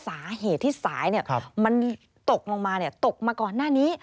สาเหตุที่สายมันตกลงมาตกมาก่อนหน้านี้